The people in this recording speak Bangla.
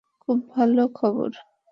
খুব ভালো খবর।